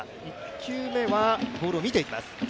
１球目はボールを見ていきます。